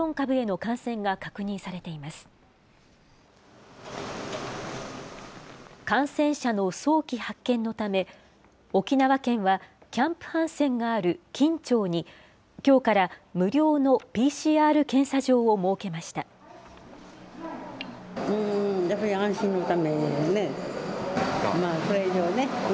感染者の早期発見のため、沖縄県はキャンプ・ハンセンがある金武町にきょうから無料のＰＣＲ検査場を設けました。